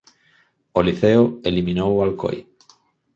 O Liceo eliminou o Alcoi.